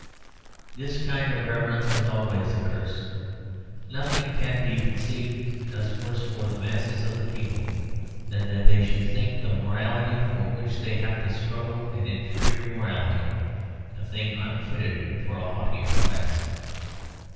This kind of reverence was always a curse: nothing can be conceived as worse for the mass of the people than that they should think the morality for which they have to struggle an inferior morality, a thing unfitted for a haughtier class.